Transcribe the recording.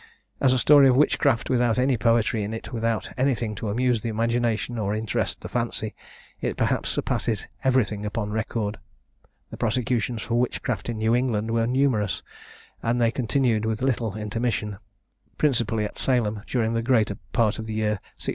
As a story of witchcraft, without any poetry in it, without anything to amuse the imagination, or interest the fancy, it, perhaps, surpasses everything upon record. The prosecutions for witchcraft in New England were numerous, and they continued, with little intermission, principally at Salem, during the greater part of the year 1692.